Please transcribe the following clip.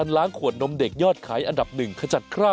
ข้าวใส่ไข่